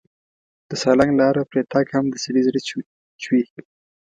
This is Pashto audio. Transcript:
د سالنګ لار پرې تګ هم د سړي زړه چوي.